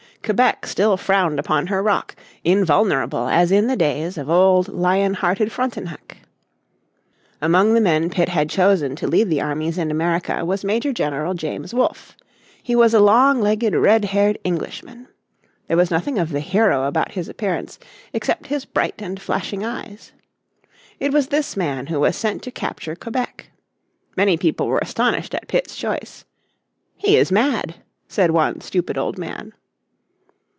Quebec still frowned upon her rock, invulnerable as in the days of old lion hearted Frontenac. Among the men Pitt had chosen to lead the armies in America was Major General James Wolfe. He was a long legged, red haired Englishman. There was nothing of the hero about his appearance except his bright and flashing eyes. It was this man who was sent to capture Quebec. Many people were astonished at Pitt's choice. "He is mad," said one stupid old man.